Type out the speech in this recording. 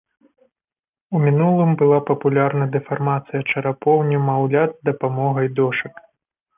У мінулым была папулярна дэфармацыя чарапоў немаўлят з дапамогай дошак.